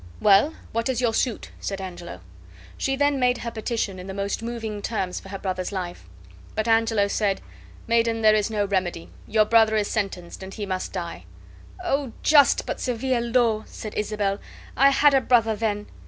"Well, what is your suit?" said Angelo. She then made her petition in the most moving terms for her brother's life. But Angelo said, "Maiden, there is no remedy; your brother is sentenced, and he must die." "Oh, just but severe law!" said Isabel. "I had a brother then.